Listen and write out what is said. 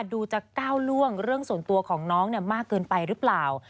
ดูจะก้าวล่วงเรื่องส่วนตัวของน้องมากเกินไปหรือเปล่า